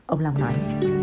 ông long nói